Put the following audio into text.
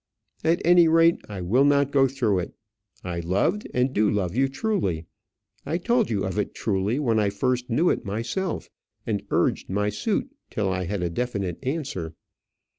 At any rate, I will not go through it. I loved, and do love you truly. I told you of it truly when I first knew it myself, and urged my suit till I had a definite answer.